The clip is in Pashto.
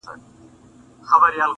د لېوانو په څېر مخ په مخ ویدیږي!.